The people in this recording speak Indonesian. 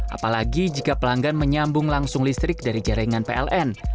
apalagi jika pelanggan menyambung langsung listrik dari jaringan pln